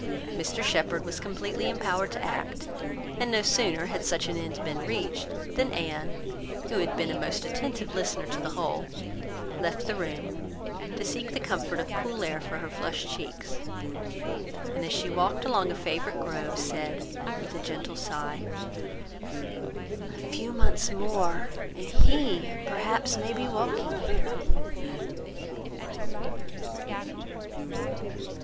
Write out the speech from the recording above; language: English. Mr Shepherd was completely empowered to act; and no sooner had such an end been reached, than Anne, who had been a most attentive listener to the whole, left the room, to seek the comfort of cool air for her flushed cheeks; and as she walked along a favourite grove, said, with a gentle sigh, "A few months more, and he, perhaps, may be walking here."